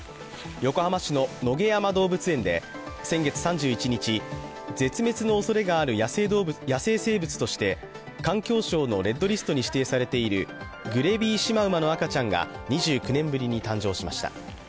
横浜市の野毛山動物園で先月３１日、絶滅のおそれがある野生生物として、環境省のレッドリストに指定されているグレビーシマウマの赤ちゃんが２９年ぶりに誕生しました。